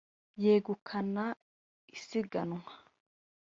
yegukana isiganwa